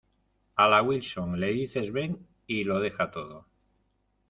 a la Wilson le dices ven y lo deja todo.